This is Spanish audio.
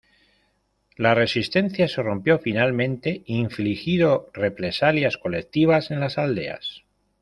La resistencia se rompió finalmente infligido represalias colectivas en las aldeas.